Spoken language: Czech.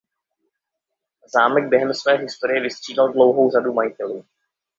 Zámek během své historie vystřídal dlouhou řadu majitelů.